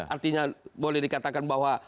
artinya boleh dikatakan bahwa